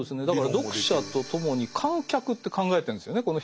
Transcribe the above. だから読者と共に観客って考えてるんですよね。